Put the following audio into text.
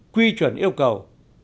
quy chuẩn yêu cầu